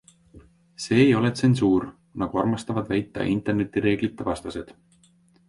See ei ole tsensuur, nagu armastavad väita internetireeglite vastased.